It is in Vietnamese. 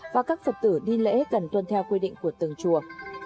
và các phật tử đi lễ cần tuân theo quy định của từng chùa